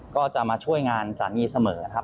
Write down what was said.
ก็จะมาช่วยงานสามีเสมอครับ